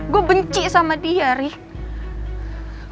gue benci sama dia rih